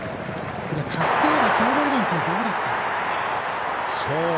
タスティエーラソールオリエンスはどうだったんですかね？